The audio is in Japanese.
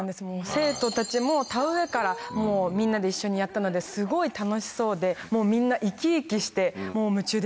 生徒たちも田植えからみんなで一緒にやったのですごい楽しそうでもうみんな生き生きして夢中でやってました。